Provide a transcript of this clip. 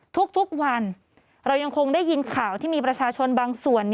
ทุกวันเรายังคงได้ยินข่าวที่มีประชาชนบางส่วน